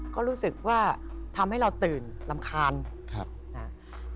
ก็รู้สึกว่าทำให้เราตื่นรำคาญครับนะฮะ